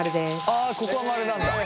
あここはマルなんだ！